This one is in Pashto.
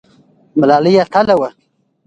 ملالۍ اتله وه؟